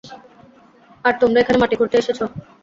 আর তোমরা এখানে মাটি খুঁড়তে এসেছ!